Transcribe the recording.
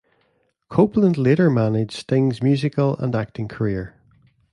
Copeland later managed Sting's musical and acting career.